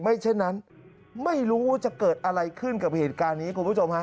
เช่นนั้นไม่รู้ว่าจะเกิดอะไรขึ้นกับเหตุการณ์นี้คุณผู้ชมฮะ